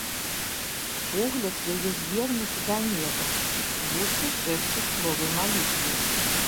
Погляд яе звернуты да неба, вусны шэпчуць словы малітвы.